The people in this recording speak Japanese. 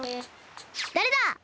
だれだ！？